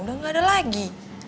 udah gak ada lagi